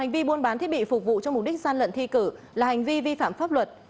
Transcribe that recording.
hành vi buôn bán thiết bị phục vụ cho mục đích gian lận thi cử là hành vi vi phạm pháp luật